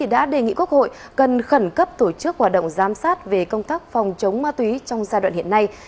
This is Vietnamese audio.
đã đề nghị quốc hội cần khẩn cấp tổ chức hoạt động giám sát về công tác phòng chống ma túy trong giai đoạn hiện nay